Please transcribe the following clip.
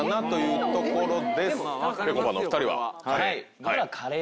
ぺこぱのお２人はカレー。